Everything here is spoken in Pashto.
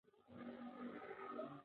د باندې یو ډېر ګرم باد لګېده.